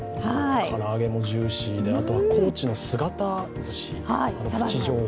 唐揚げもジューシーであと高知の姿ずし。